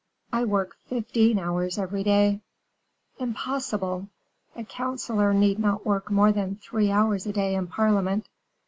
"I work fifteen hours every day." "Impossible. A counselor need not work more than three hours a day in parliament."